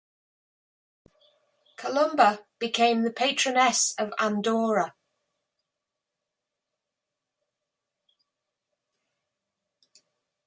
Columba became the patroness of Andorra.